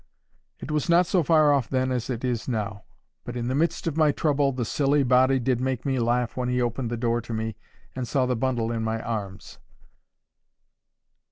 It was not so far off then as it is now. But in the midst of my trouble the silly body did make me laugh when he opened the door to me, and saw the bundle in my arms.